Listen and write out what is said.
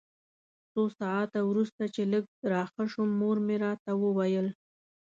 څو ساعته وروسته چې لږ راښه شوم مور مې راته وویل.